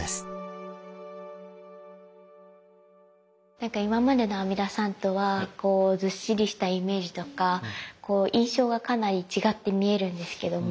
なんか今までの阿弥陀さんとはずっしりしたイメージとか印象がかなり違って見えるんですけども。